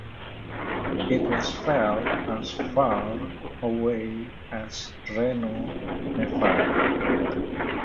It was felt as far away as Reno, Nevada.